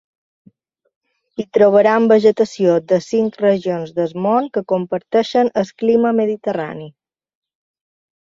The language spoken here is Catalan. Hi trobaran vegetació de cinc regions del món que comparteixen el clima mediterrani.